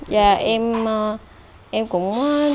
dạ em em cũng